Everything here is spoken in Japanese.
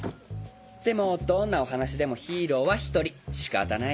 でもどんなお話でもヒーローは１人仕方ない。